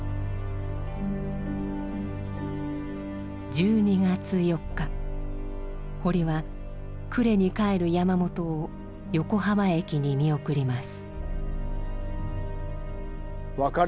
１２月４日堀は呉に帰る山本を横浜駅に見送ります。